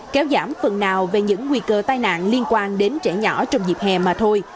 kéo giảm phần nào về những nguy cơ tai nạn liên quan đến trẻ nhỏ trong dịp hè mà thôi